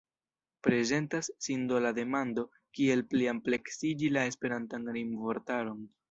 Prezentas sin do la demando, kiel pliampleksiĝi la Esperantan rimvortaron.